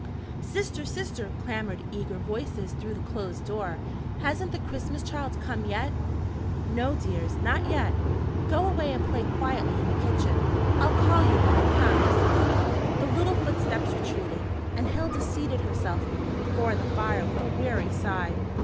"Sister, sister!" clamored eager voices through the closed door, "hasn't the Christ child come yet?" "No, dears, not yet. Go away and play quietly in the kitchen. I'll call you when he comes." The little footsteps retreated, and Hilda seated herself before the fire with a weary sigh.